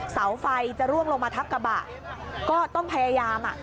เสาไฟจะร่วงลงมาทับกระบะก็ต้องพยายามอ่ะ